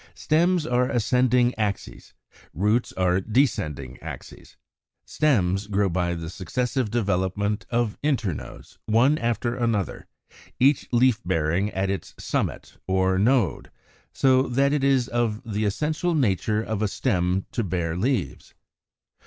= Stems are ascending axes; roots are descending axes. Stems grow by the successive development of internodes (13), one after another, each leaf bearing at its summit (or node); so that it is of the essential nature of a stem to bear leaves.